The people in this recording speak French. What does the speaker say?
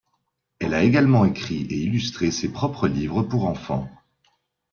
Elle a également écrit et illustré ses propres livres pour enfants.